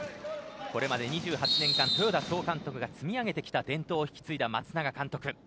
これまで２８年間、豊田総監督が積み上げてきた伝統を引き継いだ松永監督。